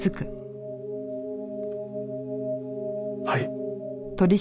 はい。